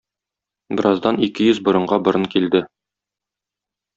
Бераздан ике йөз борынга борын килде.